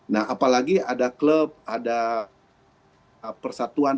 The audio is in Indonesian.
nah apalagi ada klub ada persatuan